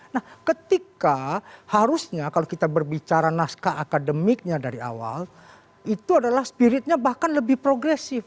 nah ketika harusnya kalau kita berbicara naskah akademiknya dari awal itu adalah spiritnya bahkan lebih progresif